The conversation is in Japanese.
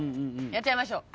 やっちゃいましょう。